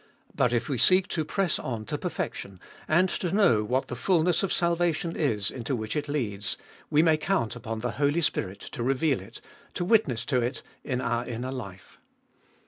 But if we seek to press on to perfection, and to know what the fulness of salvation is into which it leads, we may count 350 cbe Dolfest of ail upon the Holy Spirit to reveal it, to witness to it, in our inner life.